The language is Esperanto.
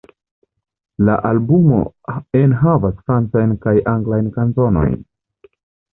La albumo enhavas francajn kaj anglajn kanzonojn.